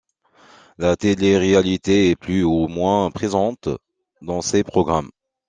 La télé-réalité est plus ou moins présente dans ces programmes.